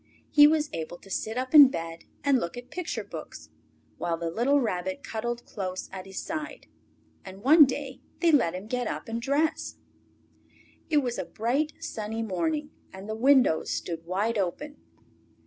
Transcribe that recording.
He was able to sit up in bed and look at picture books, while the little Rabbit cuddled close at his side. And one day, they let him get up and dress. It was a bright, sunny morning, and the windows stood wide open.